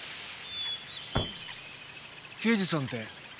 刑事さんって。